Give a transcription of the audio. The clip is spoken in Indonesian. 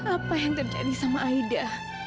apa yang terjadi sama aida